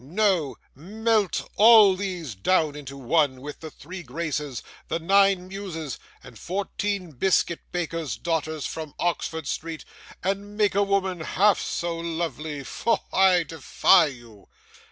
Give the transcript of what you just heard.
No. Melt all these down into one, with the three Graces, the nine Muses, and fourteen biscuit bakers' daughters from Oxford Street, and make a woman half as lovely. Pho! I defy you.